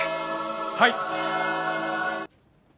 はい！